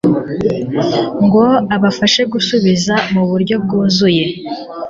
ngo abashe gusubizwa mu buryo bwuzuye